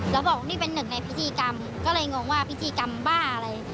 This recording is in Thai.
แล้วบอกนี่เป็นหนึ่งในพิธีกรรมก็เลยงงว่าพิธีกรรมบ้าอะไร